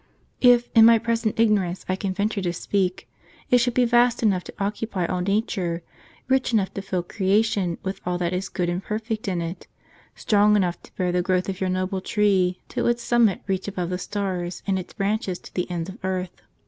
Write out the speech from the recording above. If, in my present ignorance, I can venture to speak, it should be vast enough to occupy all nature, rich enough to fill creation with all that is good and perfect in it, strong enough to bear the growth of your noble tree, till its summit reach above the stars, and its branches to the ends of earth.